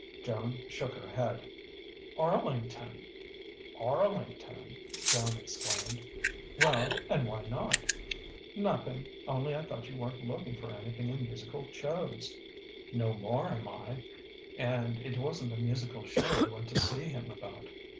Joan shook her head. "Arlington!" "Arlington!" Joan exclaimed. "Well, and why not?" "Nothing only I thought you weren't looking for anything in musical shows." "No more am I, and it wasn't a musical show I went to see him about.